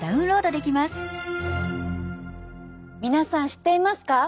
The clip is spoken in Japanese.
皆さん知っていますか？